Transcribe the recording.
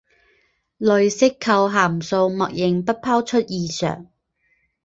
类析构函数默认不抛出异常。